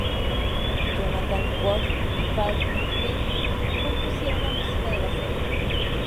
Jonathan Wolf y Paul Buckley compusieron la música de la serie.